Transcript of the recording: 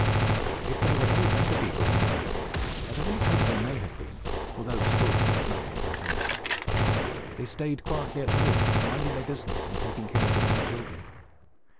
If there were any better people in the island (as I really hope there may have been, although the story tells nothing about any such), they stayed quietly at home, minding their business, and taking care of their little children.